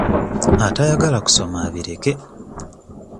Atayagala kusoma abireke.